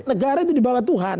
negara itu di bawah tuhan